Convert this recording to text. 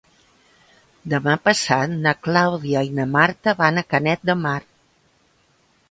Demà passat na Clàudia i na Marta van a Canet de Mar.